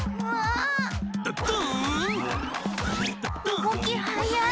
うごきはやい！